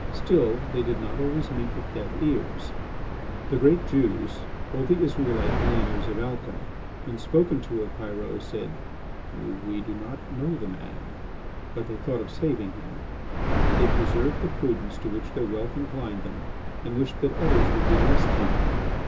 Still, they did not always meet with deaf ears. The great Jews, all the Israelite millionaires of Alca, when spoken to of Pyrot, said: "We do not know the man"; but they thought of saving him. They preserved the prudence to which their wealth inclined them and wished that others would be less timid.